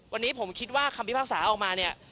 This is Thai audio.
วันนี้ผมคิดว่าคำพิพากษาออกมาเนี่ย